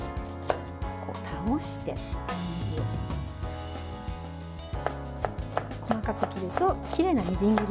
倒してたまねぎを細かく切るときれいなみじん切りになりますね。